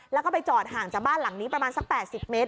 แล้วก็ไปจอดห่างจากบ้านหลังนี้ประมาณสัก๘๐เมตร